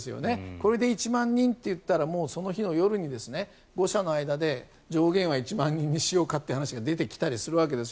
これで１万人と言ったらその日の夜に５者の間で上限は１万人にしようかって話が出てきたりするわけです。